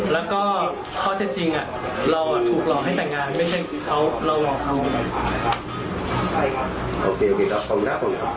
แล้วก็ข้อเช็ดจริงเราถูกหลอกให้แต่งงานไม่ใช่เขาหลอกเขา